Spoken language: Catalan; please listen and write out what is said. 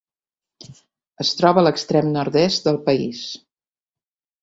Es troba a l'extrem nord-est del país.